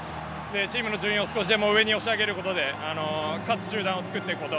チームの順位を少しでも上に押し上げることで勝てる集団を作ること。